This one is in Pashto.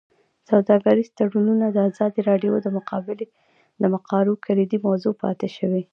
سوداګریز تړونونه د ازادي راډیو د مقالو کلیدي موضوع پاتې شوی.